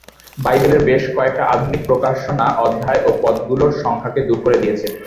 বাইবেলের বেশ কয়েকটা আধুনিক প্রকাশনা অধ্যায় ও পদগুলোর সংখ্যাকে দূর করে দিয়েছে।